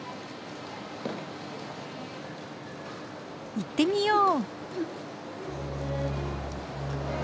行ってみよう。